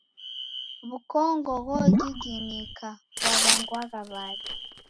W'ukongo ghogiginika ghwaw'angwagha w'ada?